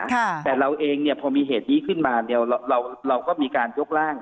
แต่เราเองเนี่ยพอมีเหตุนี้ขึ้นมาเนี่ยเราเราก็มีการยกร่าง